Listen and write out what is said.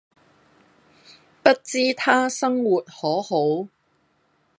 不知他生活可好